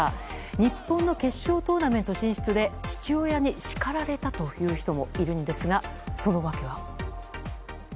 日本の決勝トーナメント進出で父親に叱られたという人もいるんですがその訳は？